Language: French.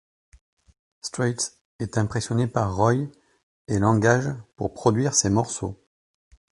Straight est impressionné par Roy et l'engage pour produire ses morceaux.